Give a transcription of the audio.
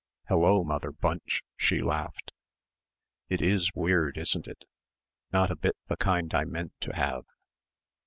"Hullo, Mother Bunch," she laughed. "It is weird, isn't it? Not a bit the kind I meant to have."